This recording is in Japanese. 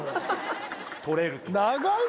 取れると。